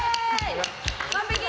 完璧！